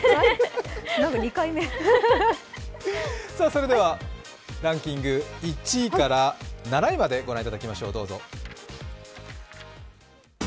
それではランキング、１位から７位まで御覧いただきましょう。